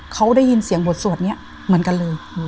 เขาได้ยินเสียงบทสวดนี้เหมือนกันเลย